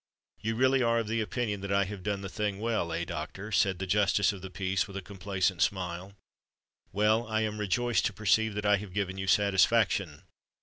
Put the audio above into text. "You really are of opinion that I have done the thing well—eh, doctor?" said the Justice of the Peace, with a complacent smile. "Well—I am rejoiced to perceive that I have given you satisfaction.